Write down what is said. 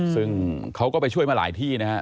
ซึ่งเขาก็ไปช่วยมาหลายที่นะฮะ